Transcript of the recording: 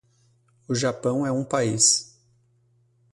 O Japão é um país.